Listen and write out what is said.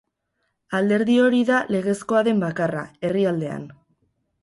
Alderdi hori da legezkoa den bakarra, herrialdean.